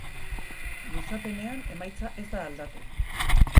Luzapenean, emaitza ez da aldatu.